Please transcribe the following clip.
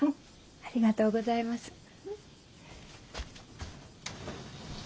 ありがとうございます。